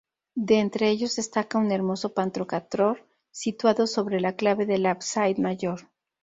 De entre ellos destaca un hermoso pantocrátor situado sobre la clave del ábside mayor.